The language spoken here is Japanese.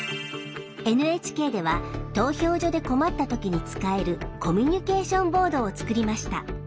ＮＨＫでは投票所で困った時に使える「コミュニケーションボード」を作りました。